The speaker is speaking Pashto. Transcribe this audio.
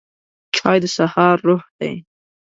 چای د سهار روح دی